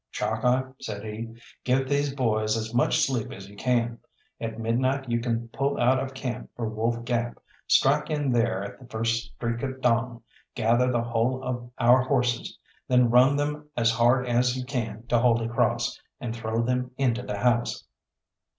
"Chalkeye," said he, "give these boys as much sleep as you can. At midnight you pull out of camp for Wolf Gap; strike in there at the first streak of dawn, gather the whole of our horses, then run them as hard as you can to Holy Cross, and throw them into the house."